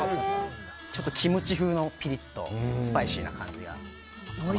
キムチ風のピリッとしたスパイシーな感じが。